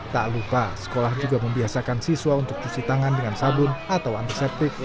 tak lupa sekolah juga membiasakan siswa untuk cuci tangan dengan sabun atau antiseptik